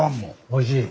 おいしい。